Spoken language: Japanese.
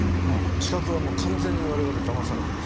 視覚は完全に我々だまされてます。